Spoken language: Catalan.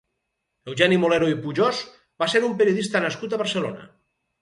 Eugeni Molero i Pujós va ser un periodista nascut a Barcelona.